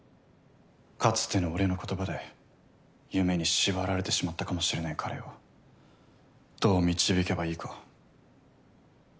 かつての俺の言葉で夢に縛られてしまったかもしれない彼をどう導けばいいか。